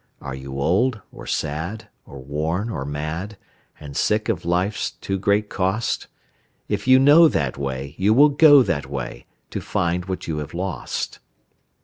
Are you old or sad or worn or mad, And sick of life's too great cost? If you know that way, you will go that way, To find what you have lost.